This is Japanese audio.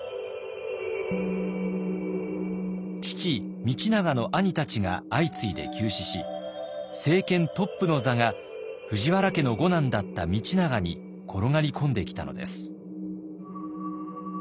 父道長の兄たちが相次いで急死し政権トップの座が藤原家の五男だった道長に転がり込んできたのです。